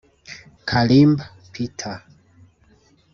Karimba Peter